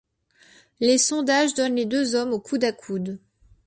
Les sondages donnent les deux hommes au coude-à-coude.